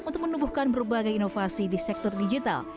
untuk menubuhkan berbagai inovasi di sektor digital